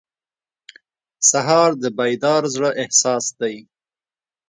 سهار د بیدار زړه احساس دی.